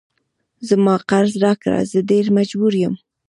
زما قرض راکړه زه ډیر مجبور یم